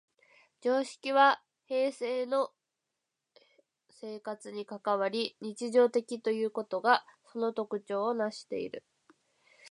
常識は平生の生活に関わり、日常的ということがその特徴をなしている。